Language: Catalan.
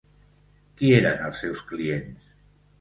Qui eren els seus clients?